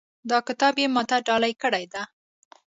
دا کتاب یې ما ته ډالۍ کړی ده